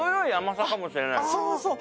そうそう。